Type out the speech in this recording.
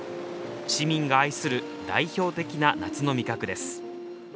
市民が愛する代表的な夏の味覚です。